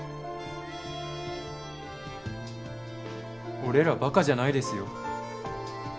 俺らバカじゃないですよ